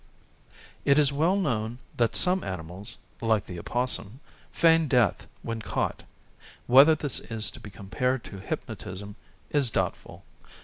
It is well known that some animals, like the opossum, feign death when caught. Whether this is to be compared to hypnotism is doubtful.